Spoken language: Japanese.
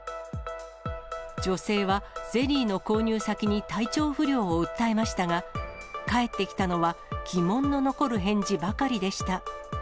女性はゼリーの購入先に体調不良を訴えましたが、返ってきたのは、疑問の残る返事ばかりでした。